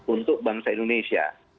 untuk bangsa indonesia